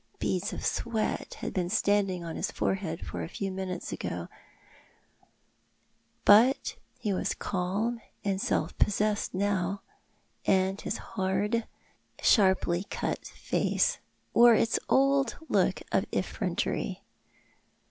Beads of sweat had been standing on his forehead a few minutes ago ; but he was calm and self possessed now, and his hard, sharply cut face wore its old look of effrontery.